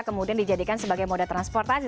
kemudian dijadikan sebagai moda transportasi